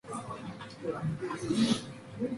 下阿默高是德国巴伐利亚州的一个市镇。